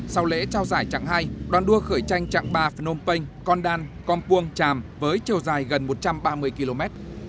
sau lễ trao giải trạng hai đoàn đua khởi tranh trạng ba phnom penh condal compuong chàm với chiều dài gần một trăm ba mươi km